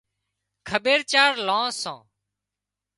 کٻير چار لان سان